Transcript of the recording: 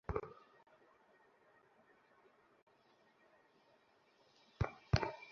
চেষ্টা করেও পারি নি।